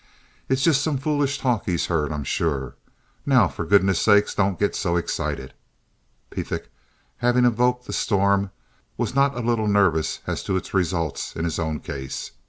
It's just some foolish talk he's heard, I'm sure. Now, for goodness' sake, don't get so excited." Pethick, having evoked the storm, was not a little nervous as to its results in his own case.